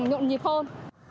nộn nhịp hơn